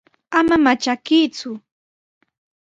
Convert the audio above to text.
Ama manchakuyku.